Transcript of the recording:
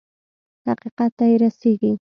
حقيقت ته يې رسېږي.